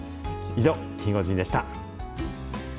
以上、キンゴジンでした。